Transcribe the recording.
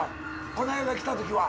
この間来た時は。